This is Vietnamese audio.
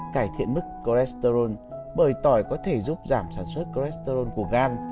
cải thiện mức cholesterol bởi tỏi có thể giúp giảm sản xuất cholesterol của gan